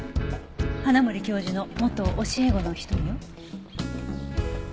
花森教授の元教え子の一人よ。